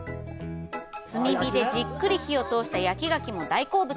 炭火でじっくり火を通した焼き牡蠣も大好物！